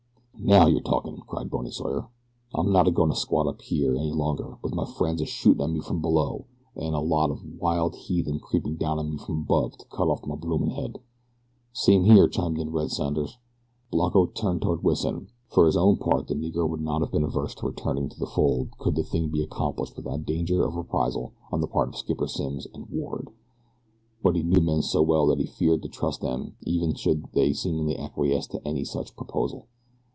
"Now you're talkin'," cried Bony Sawyer. "I'm not a goin' to squat up here any longer with my friends a shootin' at me from below an' a lot of wild heathen creeping down on me from above to cut off my bloomin' head." "Same here!" chimed in Red Sanders. Blanco looked toward Wison. For his own part the Negro would not have been averse to returning to the fold could the thing be accomplished without danger of reprisal on the part of Skipper Simms and Ward; but he knew the men so well that he feared to trust them even should they seemingly acquiesce to any such proposal.